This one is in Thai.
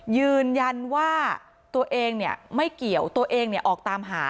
ยืนยันว่าตัวเองเนี่ยไม่เกี่ยวตัวเองเนี่ยออกตามหา